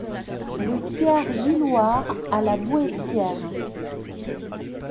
Rue Pierre Gillouard à La Bouëxière